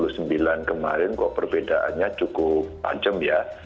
jika dua puluh sembilan kemarin kok perbedaannya cukup panjang ya